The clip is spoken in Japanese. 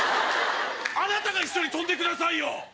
あなたが一緒に飛んでください！